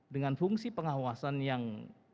dengan fungsi pengawasan yang